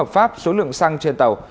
pháp số lượng xăng trên tàu